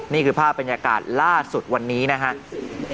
นี่คือภาพบรรยากาศล่าสุดวันนี้นะครับ